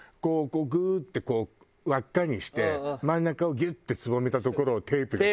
こうグーッて輪っかにして真ん中をギュッてすぼめたところをテープで。